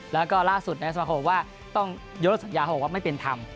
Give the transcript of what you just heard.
แล้วก็ล่าสุดสมาครบอกว่าต้องยกเลือกสัญญาเขาบอกว่าไม่เป็นธรรม